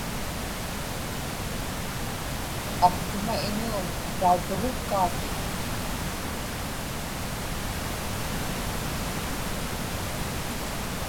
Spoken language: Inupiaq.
aptuma iñuum tautugukkaatin